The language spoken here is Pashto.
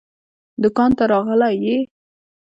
دوکان ته راغلی يې؟